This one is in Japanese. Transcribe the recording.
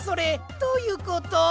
どういうこと？